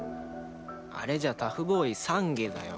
あれじゃタフボーイさんげだよ。